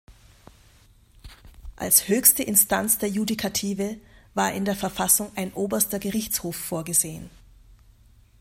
Als höchste Instanz der Judikative war in der Verfassung ein Oberster Gerichtshof vorgesehen.